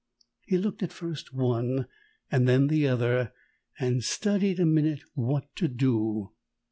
He looked at first one and then the other, and studied a minute what to do.